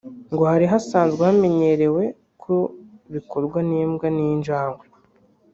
ngo hari hasazwe hamenyerewe ko bikorwa n’imbwa n’ijangwe